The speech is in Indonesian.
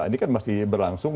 ini kan masih berlangsung